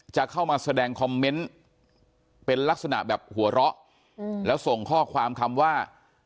จะเข้ามาแสดงคอมเมนต์เป็นลักษณะแบบหัวเราะแล้วส่งข้อความคำว่า